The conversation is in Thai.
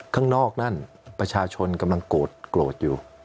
ข้างนอกนั่นประชาชนกำลังโกรธอยู่